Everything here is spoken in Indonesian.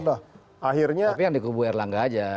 tapi yang dikubur erlangga aja